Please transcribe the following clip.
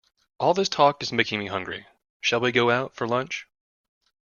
All this talk is making me hungry, shall we go out for lunch?